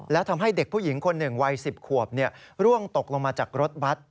และทำให้เด็กผู้หญิงคนหนึ่งวัย๑๐ขวบร่วงตกลงมาจากรถบัตร